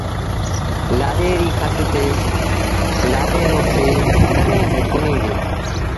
لآڏي ريٚ کٽ تي لآڏي رو پي ڪڏهين با ڪونهيٚ ويه